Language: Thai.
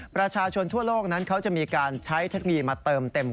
ประชาชนทั่วโลกนั้นเขาจะมีการใช้เทคโนโลยีมาเติมเต็ม